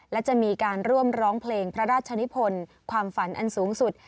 และจะมีการร่วมร้องเพลงพระราชนิพลความฝันอันสูงสุด